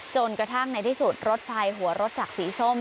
จนกระทั่งในที่สุดรถไฟหัวรถจากสีส้ม